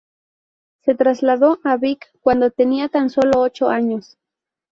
Se trasladó a Vic cuando tenía tan solo ocho años.